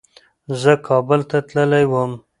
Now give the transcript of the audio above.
زه کابل ته تللی وم.